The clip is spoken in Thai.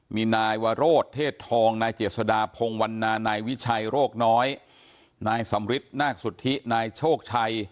มีนายวโรธเทศทองนายเจษฎาพงวันนานายวิชัยโรคน้อยนายสำริทนาคสุทธินายโชคชัย